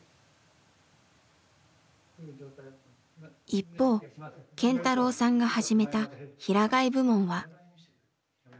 一方健太郎さんが始めた平飼い部門は。